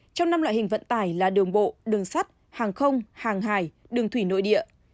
trong năm loại hình vận tải là đường bộ đường sắt hàng không hàng hải đường thủy nội địa